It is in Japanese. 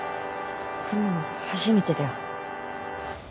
こんなの初めてだよ